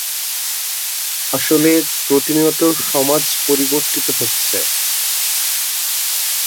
আসলে প্রতিনিয়ত সমাজ পরিবর্তিত হচ্ছে।